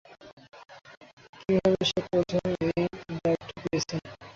কিভাবে সে প্রথমে এই ড্রাইভটা পেয়েছে?